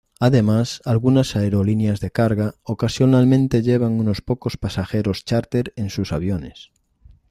Además, algunas aerolíneas de carga ocasionalmente llevan unos pocos pasajeros chárter en sus aviones.